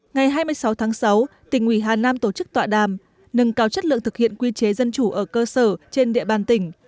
ngày hai mươi sáu tháng sáu tỉnh ủy hà nam tổ chức tọa đàm nâng cao chất lượng thực hiện quy chế dân chủ ở cơ sở trên địa bàn tỉnh